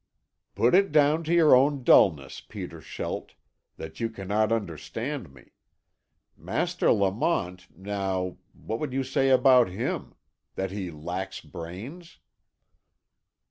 "Put it down to your own dulness, Peter Schelt, that you cannot understand me. Master Lamont, now what would you say about him? That he lacks brains?"